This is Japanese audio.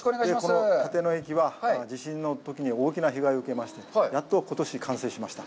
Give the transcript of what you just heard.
この立野駅は、地震のときに大きな被害を受けまして、やっと、ことし、完成しました。